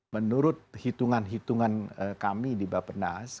menurut hitungan hitungan kami di bapenas